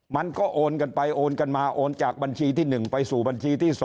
มันก็โอนกันไปโอนกันมาโอนจากบัญชีที่๑ไปสู่บัญชีที่๒